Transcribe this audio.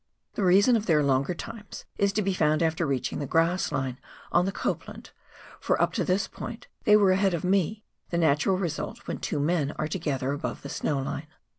The reason of their longer times is to be found after reach ing the grass line on the Copland, for up to this point they were ahead of me, the natural result when two men are together above the snow line.